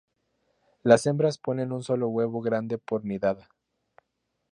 Las hembras ponen un solo huevo grande por nidada.